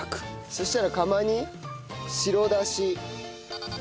そしたら釜に白だし。